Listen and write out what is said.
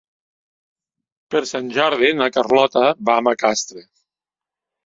Per Sant Jordi na Carlota va a Macastre.